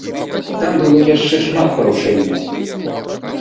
Там было яшчэ шмат парушэнняў.